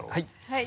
はい。